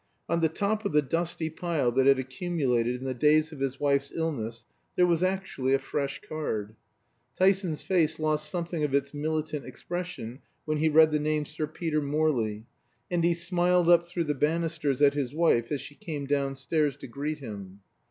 On the top of the dusty pile that had accumulated in the days of his wife's illness there was actually a fresh card. Tyson's face lost something of its militant expression when he read the name "Sir Peter Morley," and he smiled up through the banisters at his wife as she came downstairs to greet him.